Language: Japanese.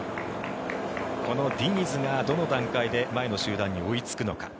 このディニズがどの段階で前の集団に追いつくのか。